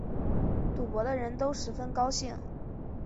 赌博的人都十分高兴